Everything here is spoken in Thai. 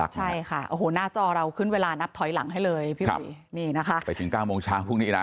ต่อเราขึ้นเวลานับถอยหลังให้เลยพี่บุรีนี่นะคะไปถึง๙โมงช้างพรุ่งนี้นะ